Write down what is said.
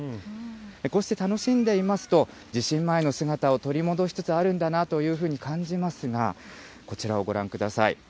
こうして楽しんでいますと、地震前の姿を取り戻しつつあるんだなというふうに感じますが、こちらをご覧ください。